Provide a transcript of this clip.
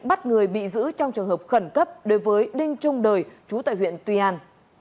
bắt người bị giữ trong trường hợp khẩn cấp đối với đinh trung đời chú tại huyện tuy an